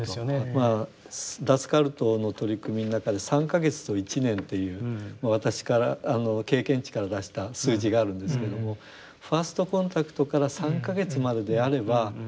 まあ脱カルトの取り組みの中で３か月と１年っていう私から経験値から出した数字があるんですけどもファーストコンタクトから３か月までであればほぼ１００％。